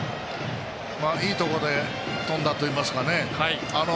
いいところで飛んだといいますか。